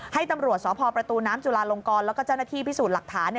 ให้ตำรวจสพประตูน้ำจุลาลงกรแล้วก็เจ้าหน้าที่พิสูจน์หลักฐาน